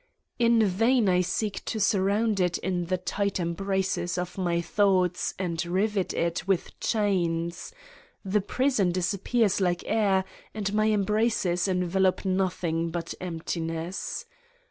In vain I seek to surround it in the tight embraces of my thoughts and rivet it with chains : the prison disappears like air and my em braces envelop nothing but emptiness.